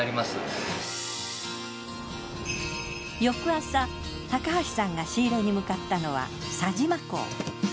翌朝高橋さんが仕入れに向かったのは佐島港。